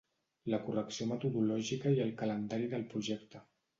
La correcció metodològica i el calendari del projecte.